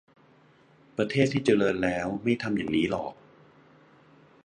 ประเทศที่เจริญแล้วไม่ทำอย่างนี้หรอก